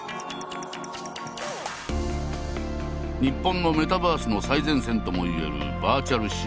日本のメタバースの最前線ともいえるバーチャル